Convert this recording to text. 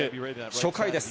初回です。